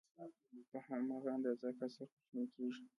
په هماغه اندازه کسر کوچنی کېږي